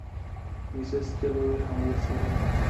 Mrs Calloway আমার বেস্টফ্রেন্ডের মা।